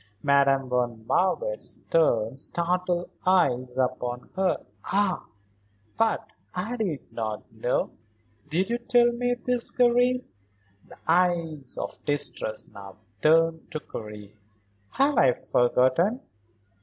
Madame von Marwitz turned startled eyes upon her. "Ah but I did not know. Did you tell me this, Karen?" the eyes of distress now turned to Karen. "Have I forgotten?